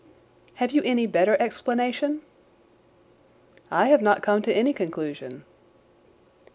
"Have you any better explanation?" "I have not come to any conclusion."